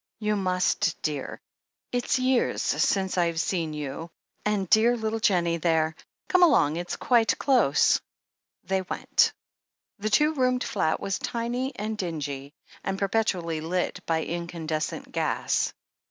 "You must, dear. It's years since I've seen you — and dear little Jennie there 1 Come along — it's quite close." They went. The two roomed flat was tiny and dingy, and per petually lit by incandescent gas.